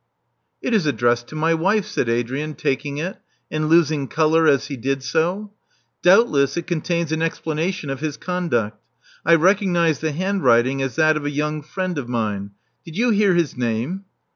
•*It is addressed to my wife," said Adrian, taking it, and losing color as he did so. ''Doubtless it contains an explanation of his conduct. I recognize the hand writing as that of a young friend of mine. Did you hear his name?"